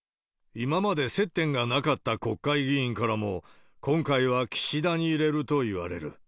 今まで接点がなかった国会議員からも、今回は岸田に入れると言われる。